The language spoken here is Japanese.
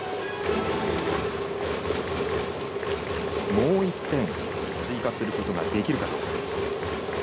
もう１点、追加することができるかどうか。